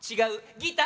ギター！